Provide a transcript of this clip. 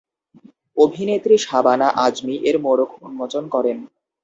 অভিনেত্রী শাবানা আজমি এর মোড়ক উন্মোচন করেন।